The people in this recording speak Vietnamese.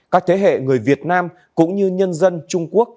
các thế hệ người việt nam cũng như nhân dân trung quốc